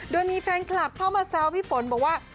โดยมีแฟนคลับเข้ามาแซวพี่ฝนบอกว่า